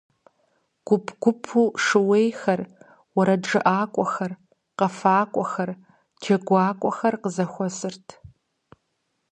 Гуп-гупурэ шууейхэр, уэрэджыӀакӀуэхэр, къэфакӀуэхэр, джэгуакӀуэхэр къызэхуэсырт.